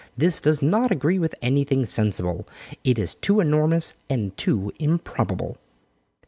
This does not agree with anything sensible, it is too enormous and too improbable."